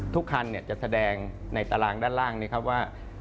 ทุกคันจะแสดงในตารางด้านล่างนี้ครับว่า